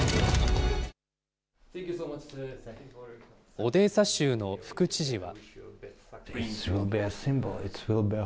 オデーサ州の副知事は。